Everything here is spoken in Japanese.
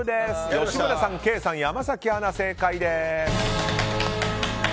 吉村さん、ケイさん、山崎アナ正解です。